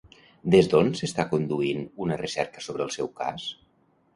Des d'on s'està conduint una recerca sobre el seu cas?